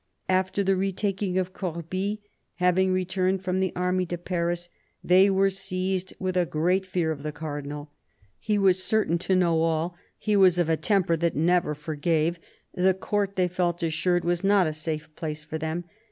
After the re taking of Corbie, having returned from the army to Paris, they were seized with a great fear of the Cardinal. He was certain to know all; he was of a temper that never forgave ; the Court, they felt assured, was not a safe place for them.